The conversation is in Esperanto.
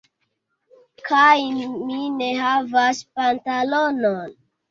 Kaj mi ne havas pantalonon.